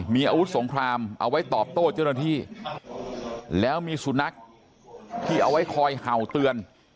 มีอาวุธสงครามเอาไว้ตอบโต้เจ้าหน้าที่แล้วมีสุนัขที่เอาไว้คอยเห่าเตือน